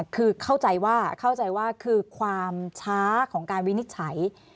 คือเข้าใจว่าความช้าของการวินิจฉัย